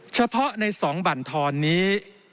เฉพาะในสองบรรทอนนี้